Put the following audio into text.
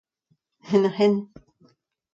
Henn-ha-henn.